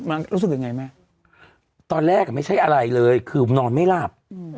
มันรู้สึกยังไงแม่ตอนแรกอ่ะไม่ใช่อะไรเลยคือนอนไม่หลับ